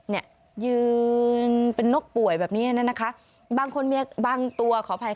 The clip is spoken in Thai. เนี่ยยืนเป็นนกป่วยแบบนี้นะคะ